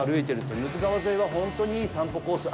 テムズ川沿いは本当にいい散歩コース。